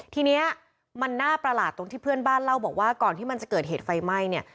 ทีนี้มันน่าประหลาดตรงที่เพื่อนบ้านเล่าบอกว่าก่อนที่มันจะเกิดเหตุไฟไหม้เนี่ย